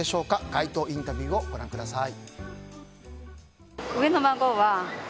街頭インタビューをご覧ください。